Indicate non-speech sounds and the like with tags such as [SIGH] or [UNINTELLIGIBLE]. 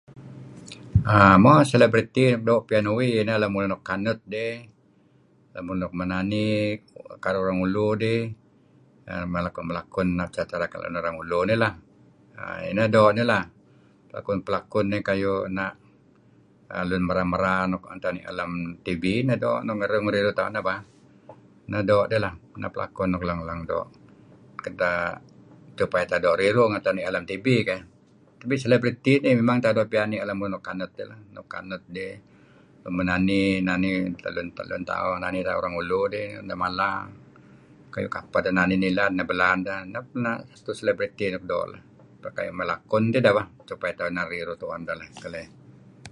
Ah mo celebrity nuk doo' piyan uih dih celebrity nuk kanut dih lemulun nuk menani karuh orang ulu dih melakun-melakun [UNINTELLIGIBLE] masyarakat orang ulu dih inah doo' neh lah pelakon-pelakon eh kayu' na' lun merar-merar tu'en ni'er lem tv neh, doo' ngeririh-ngeriruh tauh beh nuk pelakon nuk lang-lang [UNINTELLIGIBLE] doo' supaya tauh doo' riruh renga' tauh ni'er lem tv keh . Tapi celebrity nih memang tauh doo' piyan ni'er nuk kanut nuk kanut dih nuk menani-nani teh lun tauh nani tauh orang ulu deh mala kayu kapeh deh nani nilad neh belaan deh neh celebriti nuk doo' kayu' melakon tideh bah supaya tauh doo' riruh tu'en deh keleh